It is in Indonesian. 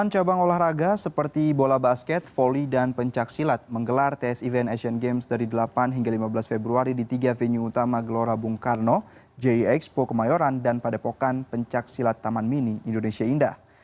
delapan cabang olahraga seperti bola basket volley dan pencaksilat menggelar tes event asian games dari delapan hingga lima belas februari di tiga venue utama gelora bung karno j expo kemayoran dan padepokan pencaksilat taman mini indonesia indah